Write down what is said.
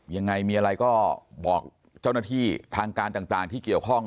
ยังไงมีอะไรก็บอกเจ้าหน้าที่ทางการต่างที่เกี่ยวข้อง